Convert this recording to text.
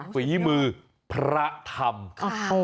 ฝีมือพระทำ